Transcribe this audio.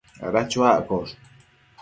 ada chuaccosh